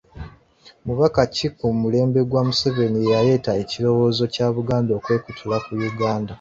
Mubaka ki ku mulembe gwa Museveni eyaleeta ekirowoozo kya Buganda okwekutula ku Uganda?